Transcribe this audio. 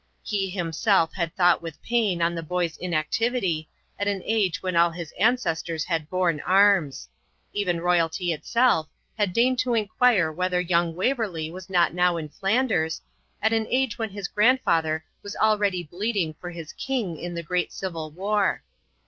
He himself had thought with pain on the boy's inactivity, at an age when all his ancestors had borne arms; even Royalty itself had deigned to inquire whether young Waverley was not now in Flanders, at an age when his grandfather was already bleeding for his king in the Great Civil War.